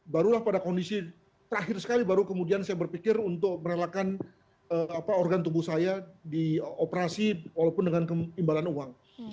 barulah pada kondisi terakhir sekali baru kemudian saya berpikir untuk merelakan organ tubuh saya di operasi walaupun dengan imbalan uang